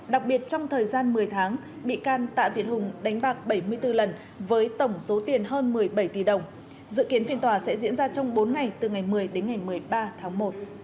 đặc biệt trong thời gian một mươi tháng bị can tạ việt hùng đánh bạc bảy mươi bốn lần với tổng số tiền hơn một mươi bảy tỷ đồng dự kiến phiên tòa sẽ diễn ra trong bốn ngày từ ngày một mươi đến ngày một mươi ba tháng một